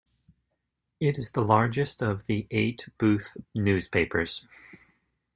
It is the largest of the eight Booth newspapers.